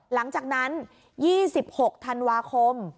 หลังจากนั้น๒๖ธันวาคม